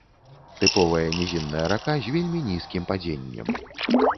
Тыповая нізінная рака з вельмі нізкім падзеннем.